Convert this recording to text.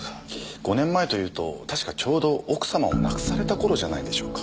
５年前というと確かちょうど奥様を亡くされた頃じゃないでしょうか。